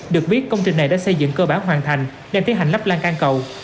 được viết công trình này đã xây dựng cơ bản hoàn thành đang thiết hành lắp lan can cầu